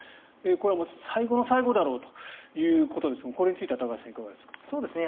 これは最後の最後だろうということですがこれについては高橋さん、いかがですか？